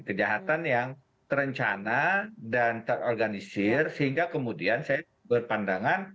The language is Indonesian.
kejahatan yang terencana dan terorganisir sehingga kemudian saya berpandangan